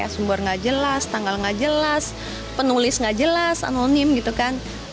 sumber tidak jelas tanggal tidak jelas penulis tidak jelas anonim gitu kan